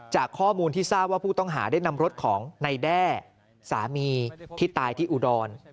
จากข้อมูลที่ทราบว่าผู้ต้องหาได้นำรถของในแด้สามีที่ตายที่อุดร